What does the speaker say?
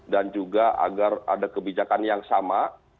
dan juga agar ada kebijakan yang sama